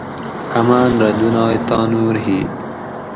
امان رہ دُنائے تانور ہی